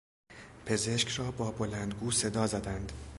پزشک را با بلندگو صدا زدند.